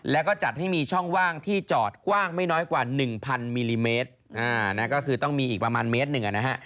แล้วก็จัดให้มีช่องว่างที่จอดกว้างไม่น้อยกว่า๑๐๐มิลลิเมตรก็คือต้องมีอีกประมาณเมตรหนึ่งนะฮะ